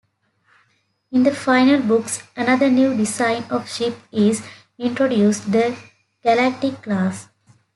In the final books, another new design of ship is introduced, the Galactic class.